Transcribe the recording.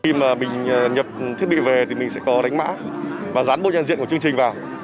khi mà mình nhập thiết bị về thì mình sẽ có đánh mã và dán bộ nhận diện của chương trình vào